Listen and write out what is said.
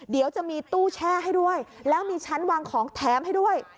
เดี๋ยวจะมีตู้แช่ให้ด้วยแล้วมีชั้นวางของแถมให้ด้วย